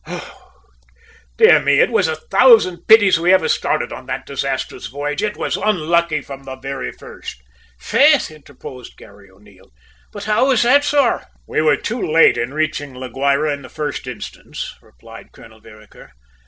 Oh dear me! It was a thousand pities we ever started on that disastrous voyage. It was unlucky from the very first!" "Faith!" interposed Garry O'Neil. "But how was that, sor?" "We were too late in reaching La Guayra in the first instance," replied Colonel Vereker.